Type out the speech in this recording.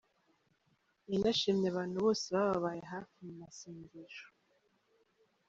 Yanashimye abantu bose bababaye hafi mu masengesho.